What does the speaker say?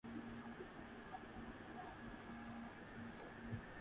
তিনি এডওয়ার্ডিয়ান যুগের সবচেয়ে জনপ্রিয় রোমান্টিক কবিদের মধ্যে একজন ছিলেন।